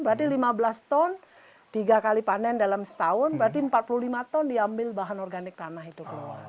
berarti lima belas ton tiga kali panen dalam setahun berarti empat puluh lima ton diambil bahan organik tanah itu keluar